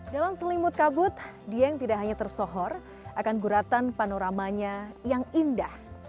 dalam selimut kabut dieng tidak hanya tersohor akan guratan panoramanya yang indah